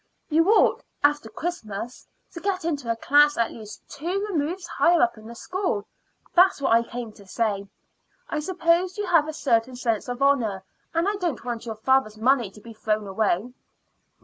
You ought, after Christmas, to get into a class at least two removes higher up in the school. That is what I came to say. I suppose you have a certain sense of honor, and you don't want your father's money to be thrown away."